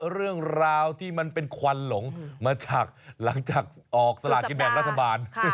เรื่องราวที่มันเป็นควันหลงมาจากหลังจากออกสลากินแบ่งรัฐบาล